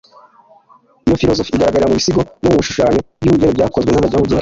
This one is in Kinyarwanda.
iyo filozofiya igaragarira mu bisigo no mu bishushanyo by’ubugeni byakozwe n’abanyabugeni